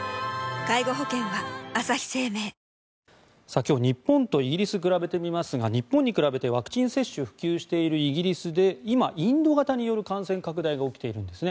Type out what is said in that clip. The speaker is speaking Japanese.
今日、日本とイギリスを比べてみますが日本に比べてワクチン接種が普及しているイギリスで今、インド型による感染拡大が起きているんですね。